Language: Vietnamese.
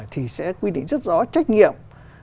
thì sẽ quy định rất rõ trách nhiệm